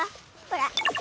ほら。